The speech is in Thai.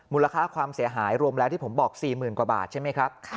มูลค่าความเสียหายรวมแล้วที่ผมบอก๔๐๐๐กว่าบาทใช่ไหมครับ